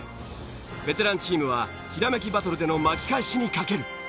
ベテランチームはひらめきバトルでの巻き返しにかける。